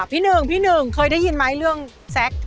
พี่หนึ่งเคยได้ยินมั้ยเรื่องแซ็ก